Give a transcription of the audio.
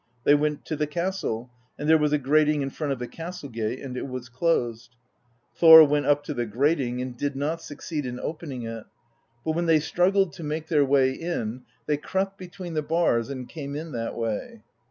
They went to the castle; and there was a grating in front of the castle gate, and it was closed. Thor went up to the grating, and did not succeed in opening it; but when they struggled to make their way in, they crept between the bars and came in that way.